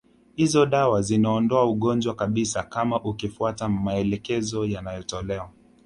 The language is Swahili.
Hizo dawa zinaondoa ugonjwa kabisa kama ukifuata maelekezo yanayotolewa